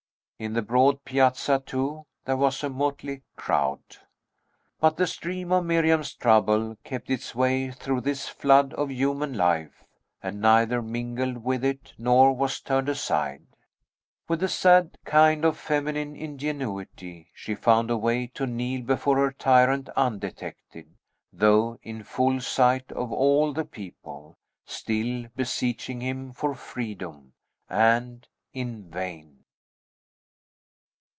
In the broad piazza, too, there was a motley crowd. But the stream of Miriam's trouble kept its way through this flood of human life, and neither mingled with it nor was turned aside. With a sad kind of feminine ingenuity, she found a way to kneel before her tyrant undetected, though in full sight of all the people, still beseeching him for freedom, and in vain.